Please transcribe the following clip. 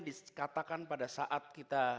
dikatakan pada saat kita